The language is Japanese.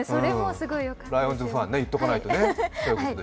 ライオンズファン、言っておかないとね。